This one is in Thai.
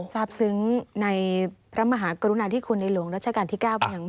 ฟาบซึ้งในพระมหากรุณาที่คุณในหลวงรัชกาลที่๙เป็นอย่างมากเลยนะครับ